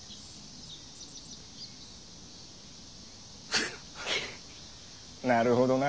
フッなるほどな。